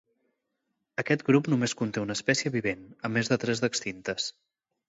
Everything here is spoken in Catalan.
Aquest grup només conté una espècie vivent, a més de tres d'extintes.